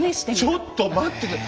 ちょっと待ってくれ。